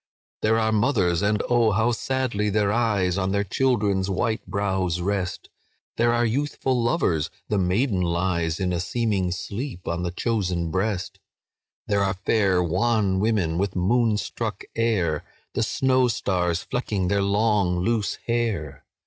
"There are mothers—and oh, how sadly their eyes On their children's white brows rest! There are youthful lovers—the maiden lies In a seeming sleep on the chosen breast; There are fair wan women with moon struck air, The snow stars flecking their long loose hair.